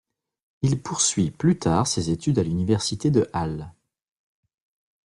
Il poursuit plus tard ses études à l'université de Halle.